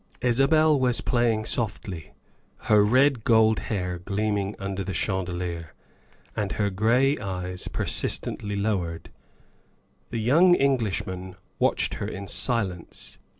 Isabel was playing softly, her red gold hair gleaming under the chandelier and her gray eyes persistently low ered. The young Englishman watched her in silence.